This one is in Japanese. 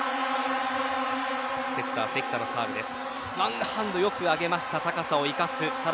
セッター関田のサーブです。